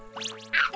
あっ。